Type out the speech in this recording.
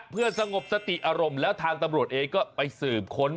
เพื่อสงบสติอารมณ์แล้วทางตำรวจเองก็ไปสืบค้น